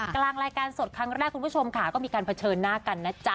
กลางรายการสดครั้งแรกคุณผู้ชมค่ะก็มีการเผชิญหน้ากันนะจ๊ะ